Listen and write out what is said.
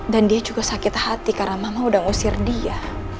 dan dia juga sakit hati karena mama udah ngusir dia